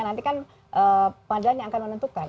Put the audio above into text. nanti kan pandangannya akan menentukan